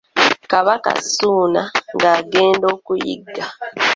Kabaka Ssuuna ng’agenda okuyigga.